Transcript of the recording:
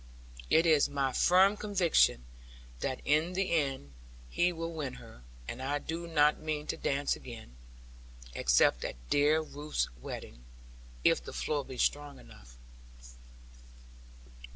It is my firm conviction, that in the end he will win her; and I do not mean to dance again, except at dear Ruth's wedding; if the floor be strong enough.